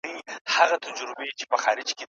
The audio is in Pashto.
موږ بايد له نورو هېوادونو زده کړه وکړو.